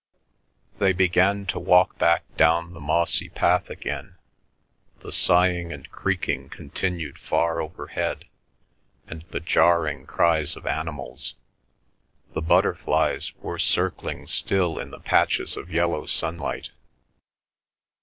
They began to walk back down the mossy path again. The sighing and creaking continued far overhead, and the jarring cries of animals. The butterflies were circling still in the patches of yellow sunlight.